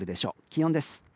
気温です。